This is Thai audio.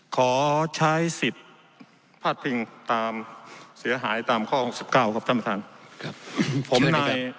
ขอใช้๑๐พาทพิงศ์ตามเสียหายตามข้อ๖๙ครับท่านประธาน